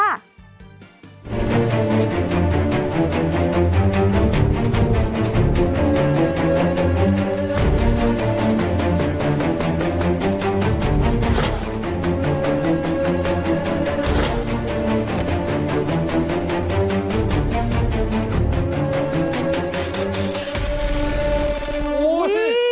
โอ้วเฮ้ย